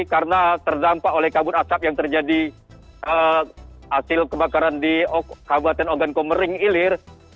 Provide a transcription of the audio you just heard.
karena terdampak oleh kabut asap yang terjadi hasil kebakaran di kabupaten ogan komering ilir